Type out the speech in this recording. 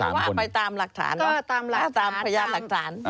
หรือว่าไปตามหลักฐานหรือตามพยายามหลักฐาน